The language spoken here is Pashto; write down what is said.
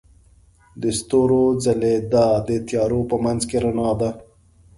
د ستورو ځلیدا د تیارو په منځ کې رڼا ده.